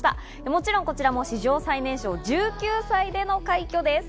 もちろんこちらも史上最年少、１９歳での快挙です。